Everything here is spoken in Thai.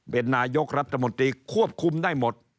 เป็นนายกรัฐบาลทะมดิครับคุมได้หมด